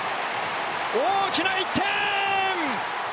大きな１点！